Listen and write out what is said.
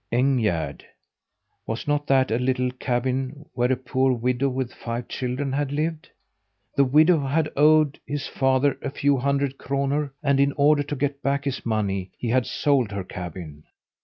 Engärd was not that a little cabin where a poor widow with five children had lived? The widow had owed his father a few hundred kroner and in order to get back his money he had sold her cabin.